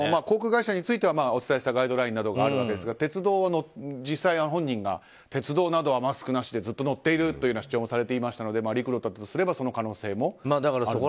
航空会社についてはお伝えしたガイドラインなどがありますが実際に本人が鉄道などはマスクなしでずっと乗っているというような主張もされていましたので陸路だとすればその可能性もあると。